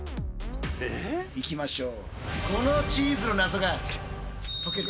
ええ？いきましょう。